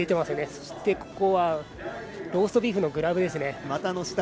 そして、ここはローストビーフのグラブですね。